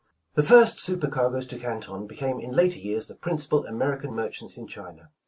The first super cargoes to Canton became in later years the principal American merchants in China.